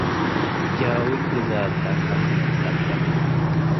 ጃውጅ ልዛብጠከ ምን ልትቀጸብ